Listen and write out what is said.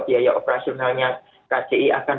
biaya operasionalnya kci akan